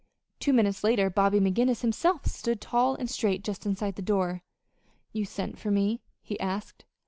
Two minutes later Bobby McGinnis himself stood tall and straight just inside the door. "You sent for me?" he asked.